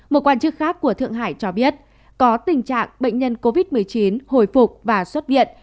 một quan chức khác của thượng hải cho biết có tình trạng bệnh nhân covid một mươi chín hồi phục và xuất viện